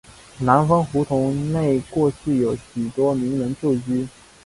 南丰胡同内过去有许多名人旧居。